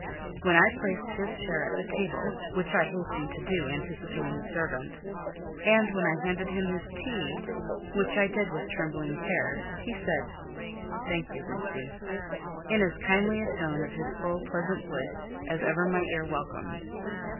When I placed his chair at the table, which I hastened to do, anticipating the servant, and when I handed him his tea, which I did with trembling care, he said: "Thank you, Lucy," in as kindly a tone of his full pleasant voice as ever my ear welcomed.